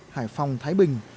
hải phòng thái bình